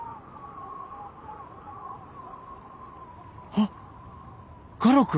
あっ我路君？